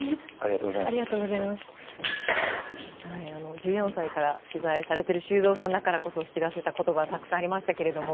１４歳から取材をされている修造さんだからこそ聞き出せた言葉がたくさんありましたけれども。